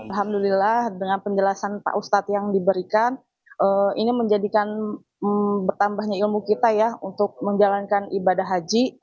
alhamdulillah dengan penjelasan pak ustadz yang diberikan ini menjadikan bertambahnya ilmu kita ya untuk menjalankan ibadah haji